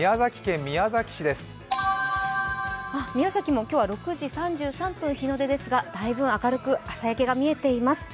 宮崎もも今日は６時３３分日の出ですがだいぶ明るく、朝焼けが見えています。